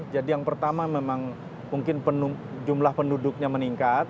jadi yang pertama memang mungkin jumlah penduduknya meningkat